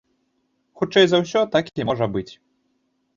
Хутчэй за ўсё, так і можа быць.